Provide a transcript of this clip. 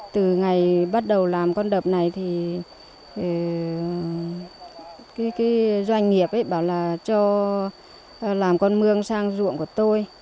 từ ngày bắt đầu làm con đập này thì doanh nghiệp bảo là cho làm con mương sang ruộng của tôi